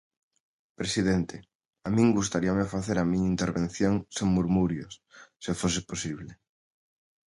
Presidente, a min gustaríame facer a miña intervención sen murmurios, se fose posible.